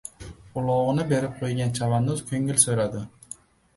Ulog‘ini berib qo‘ygan chavandoz ko‘ngil so‘radi.